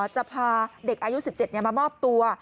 จะพาเด็กอายุ๑๗มามอบตัว